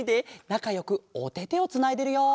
なかよくおててをつないでるよ！